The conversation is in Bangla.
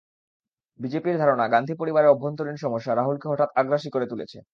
বিজেপির ধারণা, গান্ধী পরিবারের অভ্যন্তরীণ সমস্যা রাহুলকে হঠাৎ আগ্রাসী করে তুলেছে।